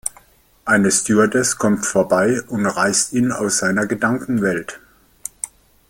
Eine Stewardess kommt vorbei und reißt ihn aus seiner Gedankenwelt.